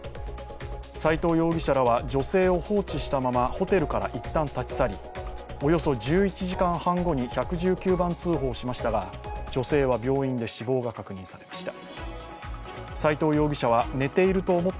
斎藤容疑者らは女性を放置したまま、ホテルからいったん立ち去りおよそ１１時間半後に１１９番通報しましたが女性は病院で死亡が確認されました。